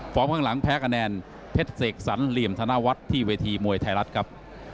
ฟ้องข้างหลังแพ้คะแนนเพศเสกสรรลียํฐณวัตรที่เวทีมวยไทยรัฐครับ